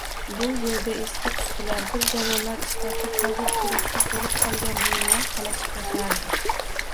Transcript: Bu yerda eski-tuskilar, bir zamonlar ishlatib, hozir keraksiz boʻlib qolgan buyumlar qalashib yotardi